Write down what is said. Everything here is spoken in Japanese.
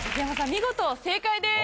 見事正解です！